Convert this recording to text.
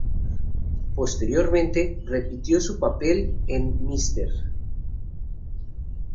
Posteriormente repitió su papel en Mr.